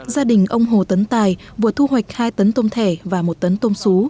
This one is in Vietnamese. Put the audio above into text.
gia đình ông hồ tấn tài vừa thu hoạch hai tấn tôm thẻ và một tấn tôm xú